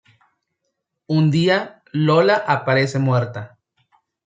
Un día Lola aparece muerta.